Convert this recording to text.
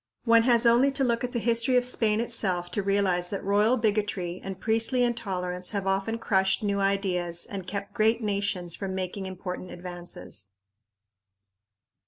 One has only to look at the history of Spain itself to realize that royal bigotry and priestly intolerance have often crushed new ideas and kept great nations from making important advances.